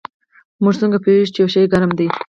موږ څنګه پوهیږو چې یو شی ګرم دی